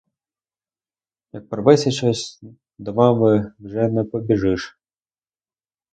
Як порветься щось, до мами вже не побіжиш.